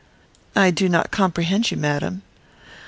"I do not comprehend you, madam."